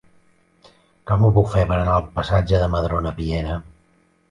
Com ho puc fer per anar al passatge de Madrona Piera?